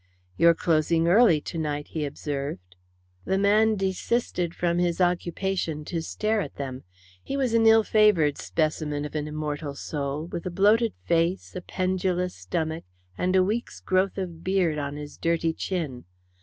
"You're closing early to night," he observed. The man desisted from his occupation to stare at them. He was an ill favoured specimen of an immortal soul, with a bloated face, a pendulous stomach, and a week's growth of beard on his dirty chin.